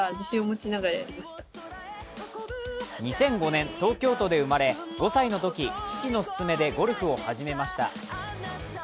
２００５年東京都で生まれ、５歳のとき父の勧めでゴルフを始めました。